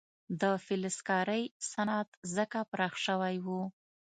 د فلزکارۍ صنعت ځکه پراخ شوی و.